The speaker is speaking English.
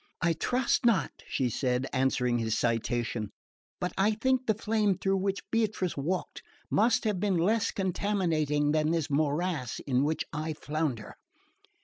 "I trust not," she said, answering his citation; "but I think the flame through which Beatrice walked must have been less contaminating than this morass in which I flounder."